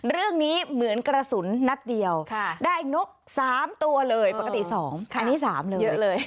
เรื่องนี้เหมือนกระสุนนัดเดียวได้นก๓ตัวเลยปกติ๒อันนี้๓เลยเยอะเลย